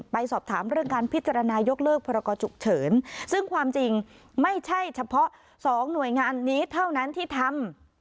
ไปสอบถามเรื่องการพิจารณายกเลิกพรกรฉุกเฉินซึ่งความจริงไม่ใช่เฉพาะสองหน่วยงานนี้เท่านั้นที่ทำ